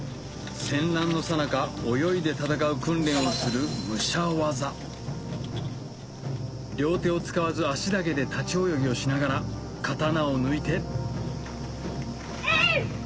戦乱のさなか泳いで戦う訓練をする両手を使わず足だけで立ち泳ぎをしながら刀を抜いてえい！